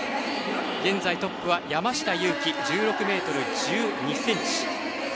現在トップは山下祐樹１６ｍ１２ｃｍ。